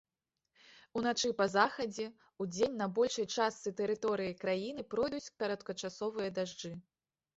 Уначы па захадзе, удзень на большай частцы тэрыторыі краіны пройдуць кароткачасовыя дажджы.